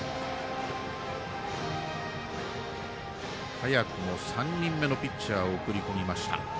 早くも３人目のピッチャー送り込みました。